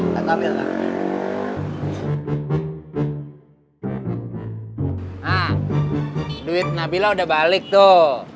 nah duit nabila udah balik tuh